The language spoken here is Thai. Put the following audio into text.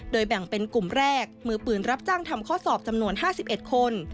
แบ่งเป็นกลุ่มแรกมือปืนรับจ้างทำข้อสอบจำนวน๕๑คน